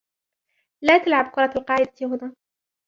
لا تلعب كرة القاعدة هنا.